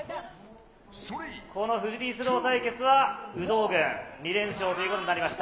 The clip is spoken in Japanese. このフリースロー対決は有働軍、２連勝ということになりました。